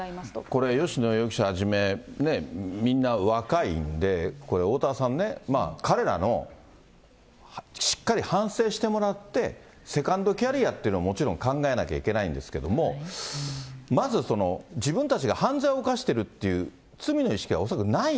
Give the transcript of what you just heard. これ、吉野容疑者はじめ、みんな若いんで、これ、おおたわさんね、彼らの、しっかり反省してもらって、セカンドキャリアというのはもちろん考えなきゃいけないんですけど、まず、自分たちが犯罪を犯してるっていう、罪の意識は恐らくない。